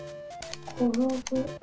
「ころぶ」。